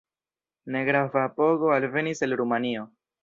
Negrava apogo alvenis el Rumanio.